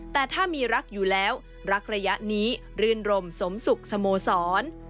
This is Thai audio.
แต่ถ้ามีรักอยู่แล้วรักระยะนี้รื่นรมสมสุขสโมสร